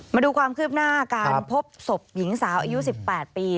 มาดูความคืบหน้าการพบศพหญิงสาวอายุ๑๘ปี